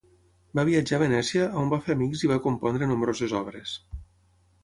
Va viatjar a Venècia on va fer amics i va compondre nombroses obres.